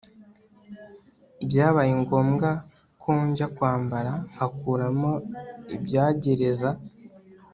byabaye ngombwa konjya kwambara nkakuramo ibyagereza